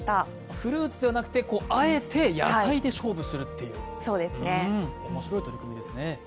フルーツではなくて、あえて野菜で勝負するっていう面白い取り組みですね。